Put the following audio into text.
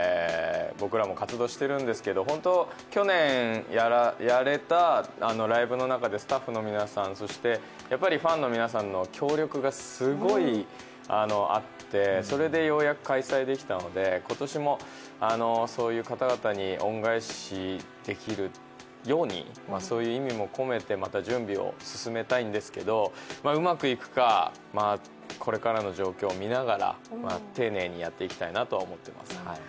僕らも活動しているんですけど去年、やれたライブの中でスタッフの皆さん、そしてファンの皆さんの協力がすごいあってそれでようやく開催できたので、今年もそういう方々に恩返しできるようにそういう意味も込めて準備を進めたいんですけど、うまくいくかこれからの状況を見ながら丁寧にやっていきたいなと思っています。